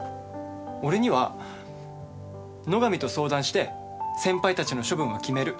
俺には「野上と相談して先輩たちの処分は決める。